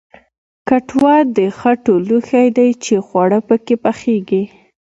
کټوه د خټو لوښی دی چې خواړه پکې پخیږي